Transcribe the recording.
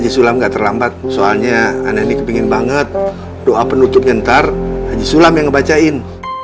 sulam gak terlambat soalnya anak ini kepingin banget doa penutupnya ntar haji sulam yang ngebacain